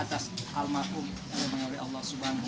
atas almakum yang dimengaruhi allah swt